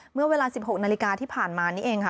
เมื่อเวลา๑๖นาฬิกาที่ผ่านมานี่เองค่ะ